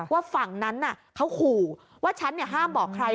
ว่าฝั่งนั้นเขาขู่ว่าฉันห้ามบอกใคร